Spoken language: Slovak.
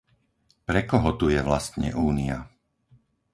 Pre koho tu je vlastne Únia?